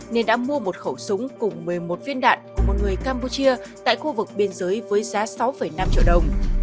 nên đã mua một khẩu súng cùng một mươi một viên đạn của một người campuchia tại khu vực biên giới với giá sáu năm triệu đồng